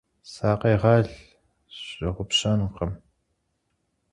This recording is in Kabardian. Сакъегъэл, сщыгъупщэнкъым.